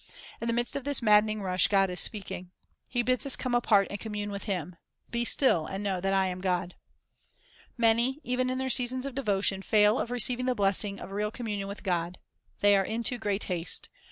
In the midst of this mad dening rush, God is speaking. He bids us come apart and commune with Him. "Be still, and know that 1 am God. ''' Many, even in their seasons of devotion, fail of receiving the blessing of real communion with God. They are in too great haste.